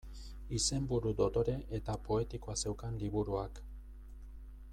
Izenburu dotore eta poetikoa zeukan liburuak.